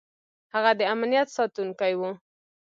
هغه د امنیت ساتونکی و.